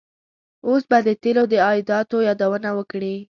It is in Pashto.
اوس به د تیلو د عایداتو یادونه وکړي.